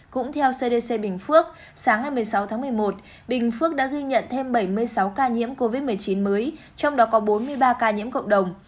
cũng theo cdc bình phước sáng ngày một mươi sáu tháng một mươi một bình phước đã ghi nhận thêm bảy mươi sáu ca nhiễm covid một mươi chín mới trong đó có bốn mươi ba ca nhiễm cộng đồng